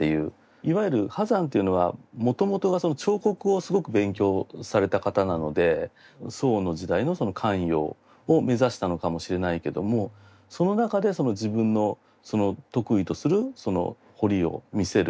いわゆる波山というのはもともとが彫刻をすごく勉強された方なので宋の時代の官窯を目指したのかもしれないけどもその中で自分の得意とする彫りを見せる。